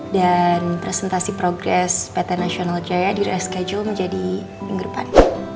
dan presentasi progres pt nasional jaya di reschedule menjadi minggu depan